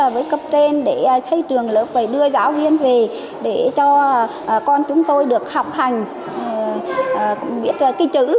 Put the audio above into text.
tôi cấp tên để xây trường lớp và đưa giáo viên về để cho con chúng tôi được học hành viết cái chữ